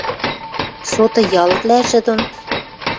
Соты ялвлӓжӹ дон